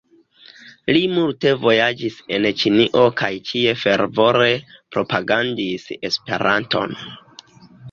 Li multe vojaĝis en Ĉinio kaj ĉie fervore propagandis Esperanton.